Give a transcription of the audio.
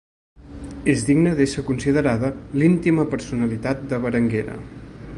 És digna d'ésser considerada l'íntima personalitat de Berenguera.